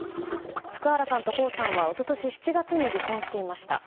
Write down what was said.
福原さんと江さんは一昨年７月に離婚していました。